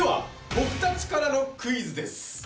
僕たちからのクイズです。